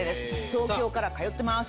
東京から通ってます。